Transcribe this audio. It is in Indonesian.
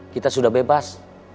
kita sudah bebas